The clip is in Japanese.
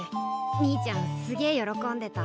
兄ちゃんすげえ喜んでた。